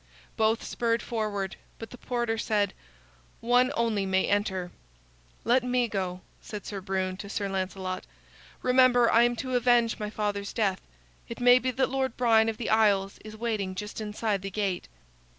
Both spurred forward, but the porter said: "One only may enter." "Let me go," said Sir Brune to Sir Lancelot. "Remember I am to avenge my father's death. It may be that Lord Brian of the Isles is waiting just inside the gate."